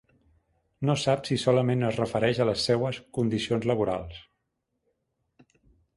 No sap si solament es refereix a les seues condicions laborals.